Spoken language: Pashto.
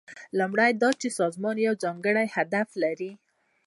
لومړی دا چې سازمان یو ځانګړی هدف لري.